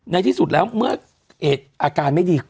ในที่สุดแล้วเมื่ออาการไม่ดี